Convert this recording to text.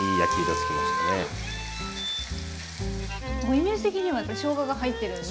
イメージ的にはやっぱりしょうがが入ってるんで。